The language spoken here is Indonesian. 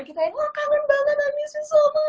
kita yang wah kangen banget i miss you so much